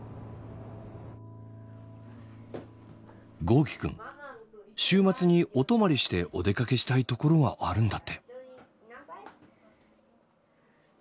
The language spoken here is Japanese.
豪輝くん週末にお泊まりしてお出かけしたい所があるんだって。